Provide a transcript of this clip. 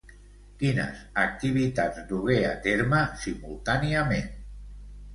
Quines activitats dugué a terme, simultàniament?